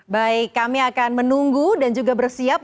baik kami akan menunggu dan juga bersiap